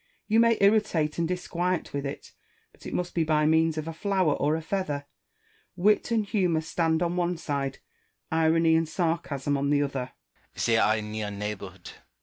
You may irritate and disquiet with it ; but it must be by means of a flower or a feather. Wit and humour stand on one side, irony and sarcasm on the other. Rousseau. They are in near neighbourhood.